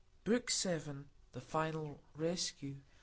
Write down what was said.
BOOK SEVENTH THE FINAL RESCUE.